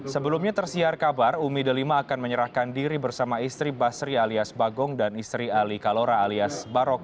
sebelumnya tersiar kabar umi delima akan menyerahkan diri bersama istri basri alias bagong dan istri ali kalora alias barok